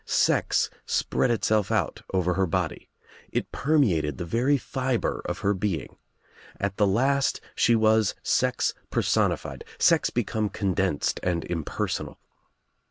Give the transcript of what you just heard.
Sex spread itself out over her body. It permeated the very fibre of her being. At the last she was sex personified, sex become condensed and impersonal.